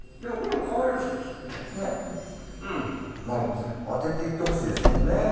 まあ当てていってほしいですもんね。